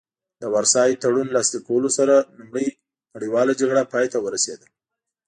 د وارسای تړون لاسلیک کولو سره لومړۍ نړیواله جګړه پای ته ورسیده